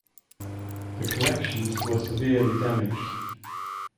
The collections were severely damaged.